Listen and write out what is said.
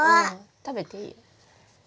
食べていいよ。